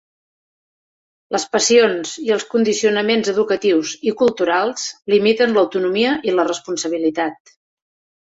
Les passions i els condicionaments educatius i culturals limiten l'autonomia i la responsabilitat.